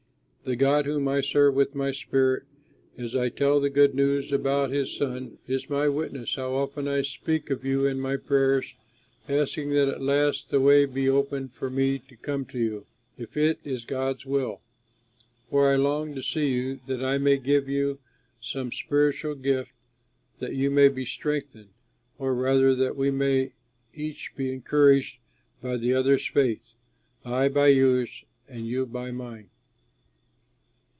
The God whom I serve with my spirit, as I tell the good news about his Son, is my witness how often I speak of you in my prayers, asking that at last the way may be opened for me to come to you, if it is God's will. For I long to see you that I may give you some spiritual gift, that you may be strengthened; or rather that we may each be encouraged by the other's faith, I by yours, and you by mine.